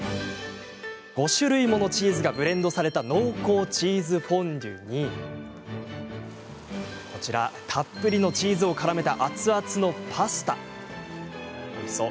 ５種類ものチーズがブレンドされた濃厚チーズフォンデュにたっぷりのチーズをからめた熱々のパスタ。